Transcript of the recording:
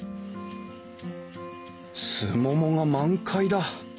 スモモが満開だ。